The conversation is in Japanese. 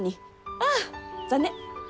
ああ残念！